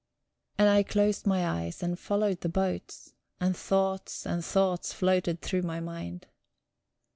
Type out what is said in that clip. And I closed my eyes, and followed the boats, and thoughts and thoughts floated through my mind...